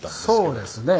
そうですね。